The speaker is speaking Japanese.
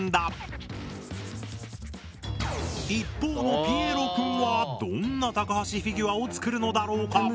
一方のピエロくんはどんな高橋フィギュアを作るのだろうか？